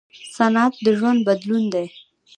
صنعت د ژوند بدلون دی.